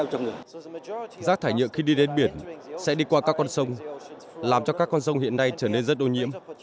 rác thải nhựa khi đi đến biển sẽ đi qua các con sông làm cho các con sông hiện nay trở nên rất ô nhiễm